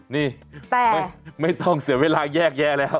นี่ไม่ต้องเสียเวลาแยกแยะแล้ว